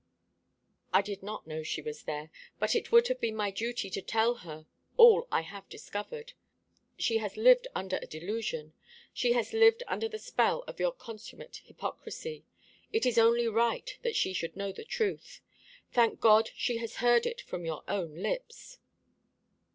"I did not know she was there; but it would have been my duty to tell her all I have discovered. She has lived under a delusion; she has lived under the spell of your consummate hypocrisy. It is only right that she should know the truth. Thank God, she has heard it from your own lips."